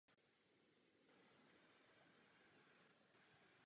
V energetickém odvětví jsou nízké ceny plynu již jen vzpomínkou.